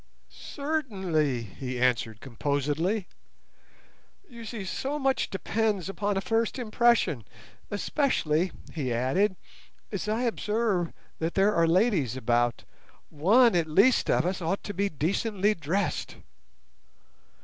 "Certainly," he answered composedly; "you see so much depends upon a first impression, especially," he added, "as I observe that there are ladies about. One at least of us ought to be decently dressed."